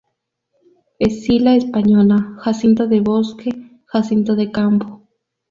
Escila española, jacinto de bosque, jacinto de campo.